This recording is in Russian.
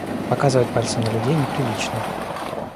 Показывать пальцем на людей неприлично!